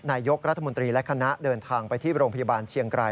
นายกรัฐมนตรีและคณะเดินทางไปที่โรงพยาบาลเชียงไกร